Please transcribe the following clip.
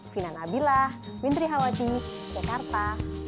fina nabilah wintri hawadji jakarta